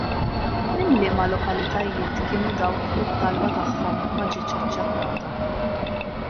Minn liema lokalitajiet kienu dawk li t-talba tagħhom ma ġietx aċċettata?